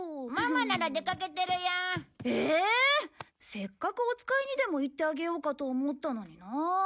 せっかくお使いにでも行ってあげようかと思ったのになあ。